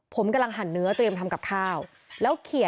ผมกำลังหั่นเนื้อเตรียมทำกับข้าวแล้วเขีย